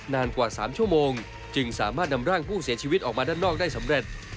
นานกว่า๓ชั่วโมงจึงสามารถนำร่างผู้เสียชีวิตออกมาด้านนอกได้สำเร็จ